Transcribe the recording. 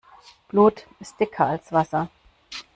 Blut ist dicker als Wasser.